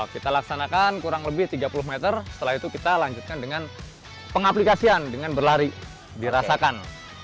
kita laksanakan kurang lebih tiga puluh meter setelah itu kita lanjutkan dengan pengaplikasian dengan berlari dirasakan